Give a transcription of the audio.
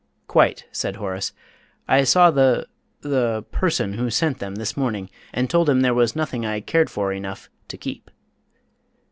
"Quite," said Horace; "I saw the the person who sent them this morning, and told him there was nothing I cared for enough to keep."